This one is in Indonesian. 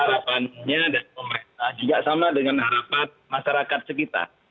harapannya dan pemerintahnya tidak sama dengan harapan masyarakat sekitar